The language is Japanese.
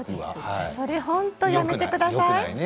それ本当にやめてください。